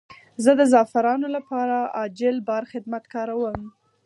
زه د زعفرانو لپاره عاجل بار خدمت کاروم.